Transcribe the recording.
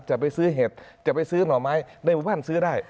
จะไปซื้อเห็ดจะไปซื้อหน่อไม้ในหมู่บ้านซื้อได้